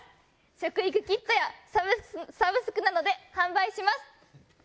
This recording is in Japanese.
食育キットやサブスクなどで販売します。